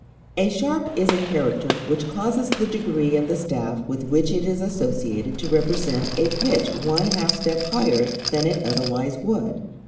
A sharp is a character which causes the degree of the staff with which it is associated to represent a pitch one half step higher than it otherwise would.